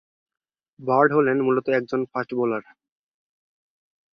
Bird হলেন মূলত একজন ফাস্ট বোলার।